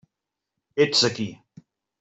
Ets aquí.